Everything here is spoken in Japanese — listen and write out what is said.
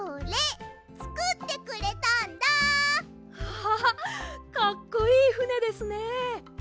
アハハかっこいいふねですね。